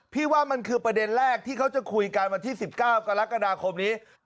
ว่ามันคือประเด็นแรกที่เขาจะคุยกันวันที่๑๙กรกฎาคมนี้